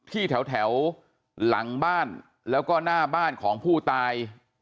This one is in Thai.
ที่แถวหลังบ้านแล้วก็หน้าบ้านของผู้ตาย